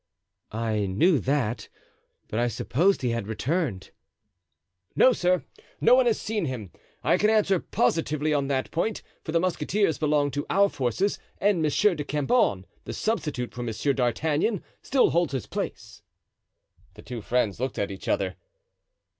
"I knew that, but I supposed he had returned." "No, sir; no one has seen him. I can answer positively on that point, for the musketeers belong to our forces and Monsieur de Cambon, the substitute for Monsieur d'Artagnan, still holds his place." The two friends looked at each other.